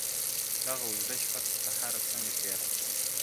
دغه اوږده شپه تر سهاره څنگه تېره كړمه ,